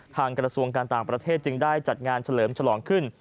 กระทรวงการต่างประเทศจึงได้จัดงานเฉลิมฉลองขึ้น